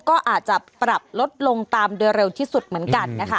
ก็อาจจะปรับลดลงตามโดยเร็วที่สุดเหมือนกันนะคะ